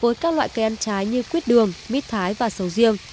với các loại cây ăn trái như quyết đường mít thái và sầu riêng